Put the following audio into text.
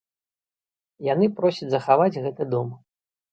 Яны просяць захаваць гэты дом.